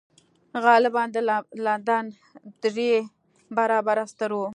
غالباً د لندن درې برابره ستر و